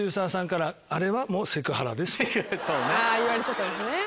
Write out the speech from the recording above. あぁ言われちゃったんですね。